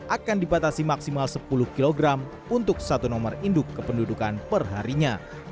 akan dibatasi maksimal sepuluh kg untuk satu nomor induk kependudukan perharinya